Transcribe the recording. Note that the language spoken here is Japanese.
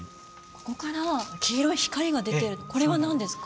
ここから黄色い光が出てるこれは何ですか？